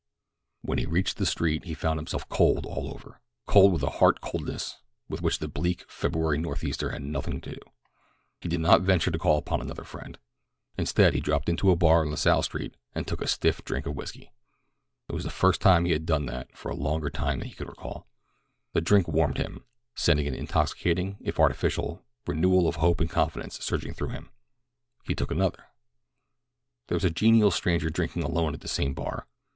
When he reached the street he found himself cold all over—cold with a heart coldness with which the bleak February northeaster had nothing to do. He did not venture to call upon another friend. Instead he dropped into a bar on La Salle Street and took a stiff drink of whisky. It was the first time he had done that for a longer time than he could recall. The drink warmed him, sending an intoxicating, if artificial, renewal of hope and confidence surging through him. He took another. There was a genial stranger drinking alone at the same bar.